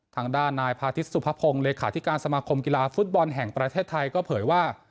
ทางด้านนายพาทิตสุภพงศ์เลขาธิการสมาคมกีฬาฟุตบอลแห่งประเทศไทยก็เผยว่า